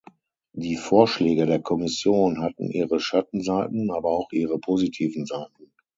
Die Vorschläge der Kommission hatten ihre Schattenseiten, aber auch ihre positiven Seiten.